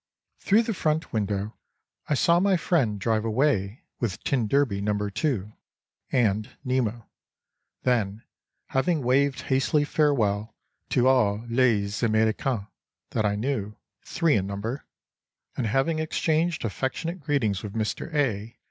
Through the front window I saw my friend drive away with t d Number 2 and Nemo; then, having waved hasty farewell to all les Américains that I knew—three in number—and having exchanged affectionate greetings with Mr. A.